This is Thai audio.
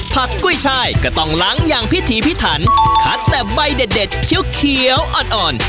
กุ้ยช่ายก็ต้องล้างอย่างพิถีพิถันคัดแต่ใบเด็ดเขียวอ่อน